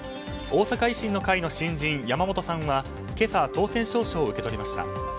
大阪維新の会の新人、山本さんは今朝、当選証書を受け取りました。